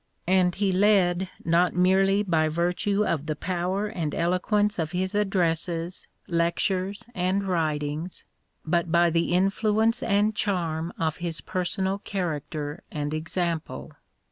And he led not merely by virtue of die power and eloquence of his addresses, lectures, and writings, • Fraser Magazine, 1833 34. EMERSON 143 but by the influence and charm of his personal character and example.